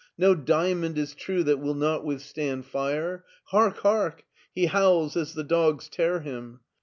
No diamond is true that will not withstand fire. Hark ! Hark ! He howls as the dogs tear him.